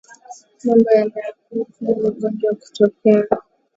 Mambo yanayopelekea ugonjwa kutokea